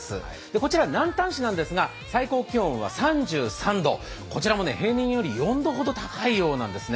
こちら南丹市なんですが、最高気温は３３度、こちらも平年より４度ほど高いようなんですね。